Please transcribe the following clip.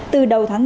từ đầu tháng năm